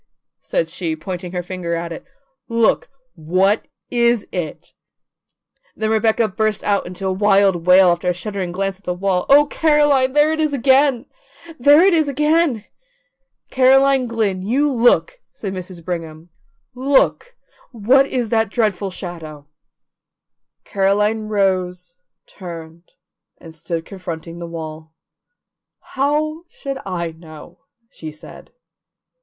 said she, pointing her finger at it. "Look! What is it?" Then Rebecca burst out in a wild wail after a shuddering glance at the wall: "Oh, Caroline, there it is again! There it is again!" "Caroline Glynn, you look!" said Mrs. Brigham. "Look! What is that dreadful shadow?" Caroline rose, turned, and stood confronting the wall. "How should I know?" she said.